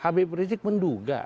habib rizik menduga